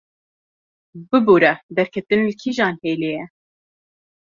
Bibore, derketin li kîjan hêlê ye?